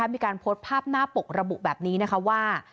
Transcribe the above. มีการโพสต์ภาพหน้าปกระบุแบบนี้นะคะว่า